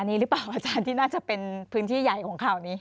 นี้หรือเปล่าอาจารย์ที่น่าจะเป็นพื้นที่ใหญ่ของข่าวนี้